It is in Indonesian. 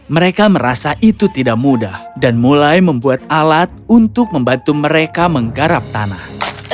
mereka merasa itu tidak mudah dan mulai membuat alat untuk membantu mereka menggarap tanah